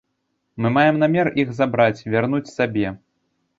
Мы маем намер іх забраць, вярнуць сабе.